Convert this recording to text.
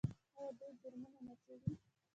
آیا دوی جرمونه نه څیړي؟